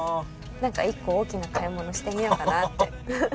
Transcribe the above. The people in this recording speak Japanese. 何か１個大きな買い物してみようかなって。